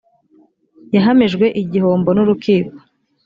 yahamijwe igihombo n ‘urukiko .